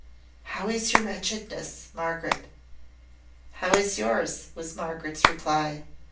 "How is your wretchedness, Margaret?" "How is yours?" was Margaret's reply.